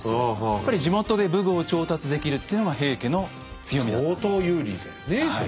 やっぱり地元で武具を調達できるっていうのは平家の強みだったんです。